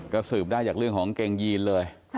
ก็สืบได้จากเรื่องของกางเกงยีนเลย